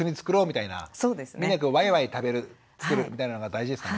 みんなでわいわい食べる作るみたいなのが大事ですかね？